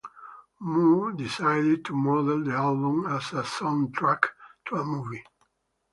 Moore decided to model the album as a soundtrack to a movie.